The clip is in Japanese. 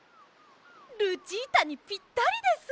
ルチータにぴったりです！